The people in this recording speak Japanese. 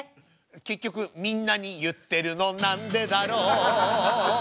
結局みんなに言ってるのなんでだろう